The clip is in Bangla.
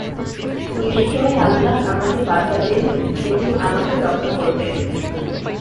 নিশ্চয় আল্লাহ আমাকে বাঁচাবেন এবং আমাকে রক্ষা করবেন।